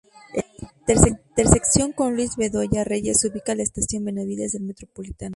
En la intersección con Luis Bedoya Reyes se ubica la estación Benavides del Metropolitano.